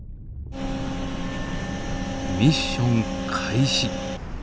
ミッション開始。